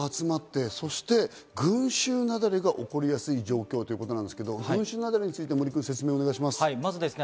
上と下から人が集まって群集雪崩が起こりやすい状況ということなんですが、群集雪崩について説明をお願いします。